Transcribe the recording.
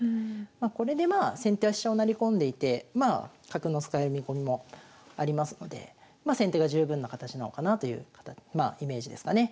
まこれでまあ先手は飛車を成り込んでいて角の使う見込みもありますのでま先手が十分な形なのかなというまあイメージですかね。